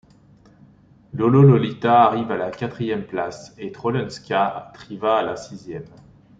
Lolo Lolita arrive à la quatrième place, et Trollen ska trivas à la sixième.